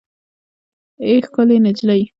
اې ښکلې نجلۍ